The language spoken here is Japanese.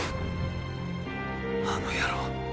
あの野郎